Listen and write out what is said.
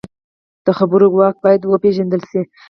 د خبرو واک باید وپېژندل شي